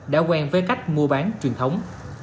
đã quen với cách mua bán truyền thống